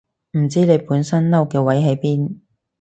我唔知你本身嬲嘅位喺邊